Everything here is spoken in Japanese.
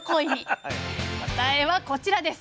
答えはこちらです。